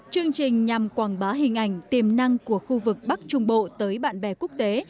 chương trình nhằm quảng bá hình ảnh tiềm năng của khu vực bắc trung bộ tới bạn bè quốc tế